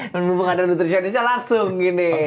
dan membuka ke nutritionisnya langsung gini